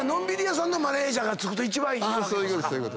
そういうこと。